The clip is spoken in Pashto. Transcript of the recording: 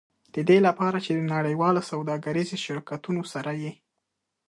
د دې لپاره چې د نړیوالو سوداګریزو شرکتونو سره یې.